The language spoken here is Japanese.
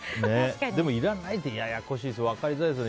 でも、いらないってややこしい、分かりづらいですよ。